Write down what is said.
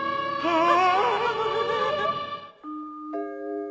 ああ。